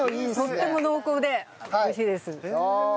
とっても濃厚で美味しいです。